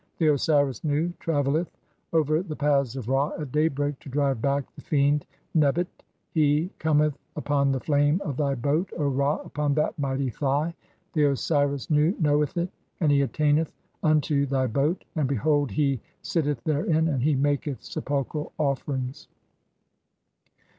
The Osiris Nu travelleth over the paths of Ra 'at daybreak to drive back the fiend Nebt ; [he] cometh (37) 'upon the flame of thy boat, [O Ra,] upon that mighty Thigh. 'The Osiris Nu knoweth it, and he attaineth unto thy boat, '(38) and behold he [sitteth] therein ; and he maketh sepulchral 'offerings."